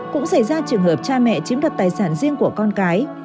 cũng xảy ra trường hợp cha mẹ chiếm đoạt tài sản riêng của con cái